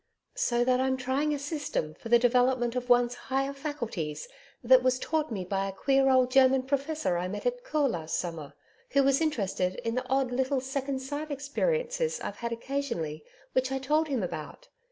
So that I'm trying a system for the development of one's higher faculties that was taught me by a queer old German professor I met at Caux last summer, who was interested in the odd little second sight experiences I've had occasionally which I told him about.